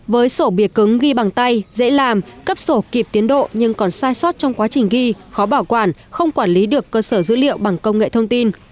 với sổ bìa cứng ghi bằng tay dễ làm cấp sổ kịp tiến độ nhưng còn sai sót trong quá trình ghi khó bảo quản không quản lý được cơ sở dữ liệu bằng công nghệ thông tin